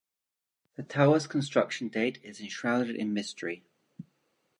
The tower's construction date is enshrouded in mystery.